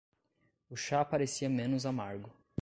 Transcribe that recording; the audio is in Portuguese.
O chá parecia menos amargo.